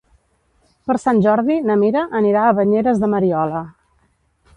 Per Sant Jordi na Mira anirà a Banyeres de Mariola.